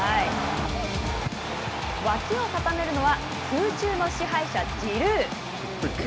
脇を固めるのは空中の支配者、ジルー。